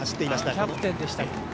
キャプテンでした。